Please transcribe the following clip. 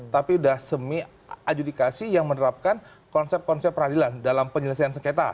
tapi sudah semi adjudikasi yang menerapkan konsep konsep peradilan dalam penyelesaian sengketa